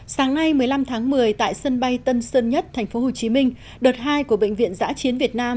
sáng nay một mươi năm tháng một mươi tại sân bay tân sơn nhất tp hcm đợt hai của bệnh viện giã chiến việt nam